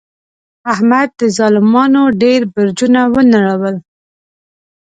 احمد د ظالمانو ډېر برجونه و نړول.